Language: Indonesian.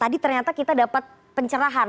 tadi ternyata kita dapat pencerahan